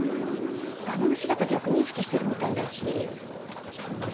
ガン無視だと逆に意識してるみたいだしうん